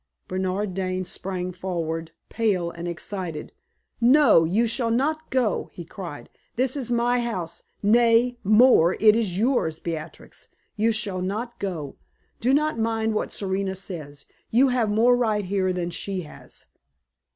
Bernard Dane sprang forward, pale and excited. "No, you shall not go!" he cried. "This is my house; nay, more it is yours, Beatrix. You shall not go. Do not mind what Serena says; you have more right here than she has!"